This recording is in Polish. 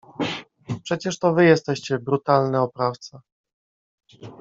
Przecież to wy jesteście brutalny oprawca.